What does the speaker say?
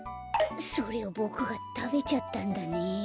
それをボクがたべちゃったんだね。